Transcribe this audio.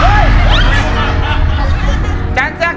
โหหน้าผัวจริง